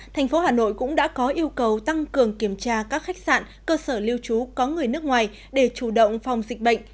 thành phố hà nội cũng đã có yêu cầu tăng cường kiểm tra các khách sạn cơ sở lưu trú có người nước ngoài để chủ động phòng dịch bệnh